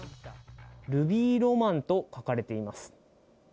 ルビーロマンと書かれています。